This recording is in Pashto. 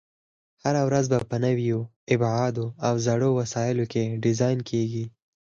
هره ورځ به په نویو ابعادو او زړو وسایلو کې ډیزاین کېږي.